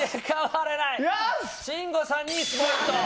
信五さんに１ポイント。